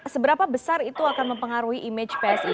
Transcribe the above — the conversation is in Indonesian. seberapa besar itu akan mempengaruhi image psi